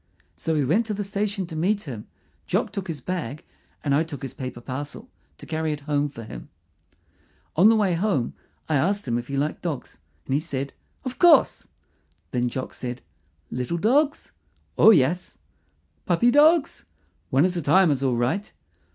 So we went to the station to meet him. Jock took his bag, and I took his paper parcel to carry it home for him. On the way home I asked him if he liked dogs, and he said, "Of course." Then Jock said, "Little dogs?" "Oh, yes." "Puppy dogs?" "One at a time is all right."